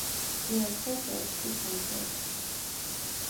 He left Hertha six months later.